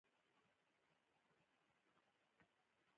زموږ په ژبه کې د ژوندلیکونو روایت ډېر غوښین نه دی.